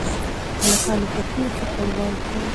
هلکانو په کلي کې فوټبال کاوه.